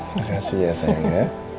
makasih ya sayang